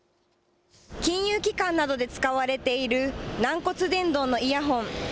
金融機関などで使われている軟骨伝導のイヤホン。